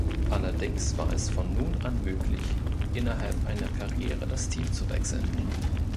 Allerdings war es von nun an möglich, innerhalb einer Karriere das Team zu wechseln.